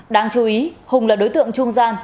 đáng chú ý hùng là đối tượng trung gian